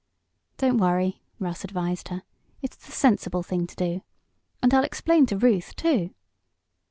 "Don't worry." Russ advised her. "It's the sensible thing to do. And I'll explain to Ruth, too."